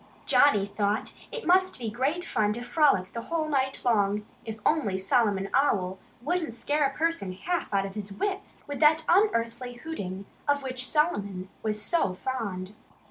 Johnnie thought it must be great fun to frolic the whole night long if only Solomon Owl wouldn't scare a person half out of his wits with that unearthly hooting of which Solomon was so fond.